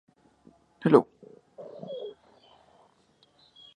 The subfamily contains six genera.